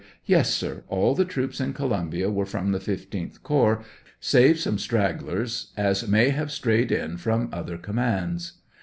Yes, sir; all the troops in Columbia were from the 15th corps, save such stragglers as may have strayed in from other commands.